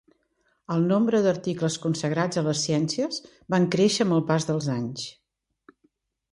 El nombre d'articles consagrats a les ciències van créixer amb el pas dels anys.